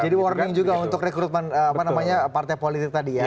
jadi warning juga untuk rekrutmen partai politik tadi ya